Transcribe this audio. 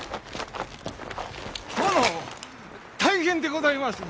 殿大変でございます！